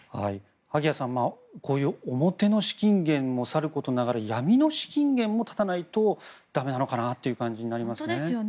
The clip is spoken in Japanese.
萩谷さん表の資金源もさることながら闇の資金源も断たないと駄目なのかなという気がしますね。